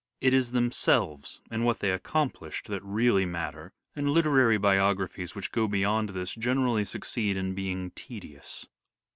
It is themselves and what they accomplished that really matter, and literary biographies which go beyond this generally succeed in being tedious.